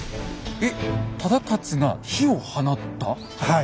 はい。